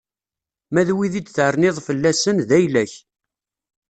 Ma d wid i d-terniḍ fell-asen, d ayla-k.